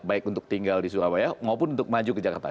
baik untuk tinggal di surabaya maupun untuk maju ke jakarta